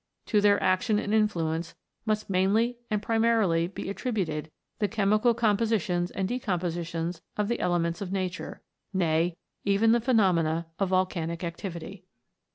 To their action and influence must mainly and primarily be attributed the chemical compositions and decompositions of the elements of nature, nay, even the phenomena of volcanic activity.